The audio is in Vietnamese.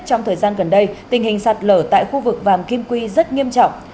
trong thời gian gần đây tình hình sạt lở tại khu vực vàm kim quy rất nghiêm trọng